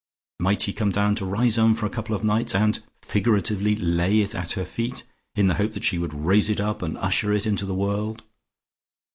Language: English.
Might he come down to Riseholme for a couple of nights, and, figuratively, lay it at her feet, in the hope that she would raise it up, and usher it into the world?